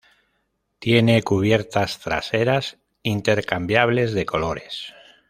Tiene cubiertas traseras intercambiables de colores.